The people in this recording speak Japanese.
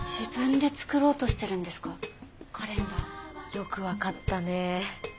よく分かったね。